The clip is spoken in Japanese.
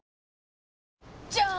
じゃーん！